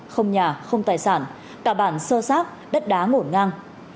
không nhà không tài sản cả bản sơ sát đất đá ngổn ngang